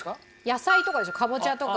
野菜とかでしょカボチャとか。